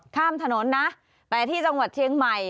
ข้ามถนนนะแต่ที่จังหวัดเชียงใหม่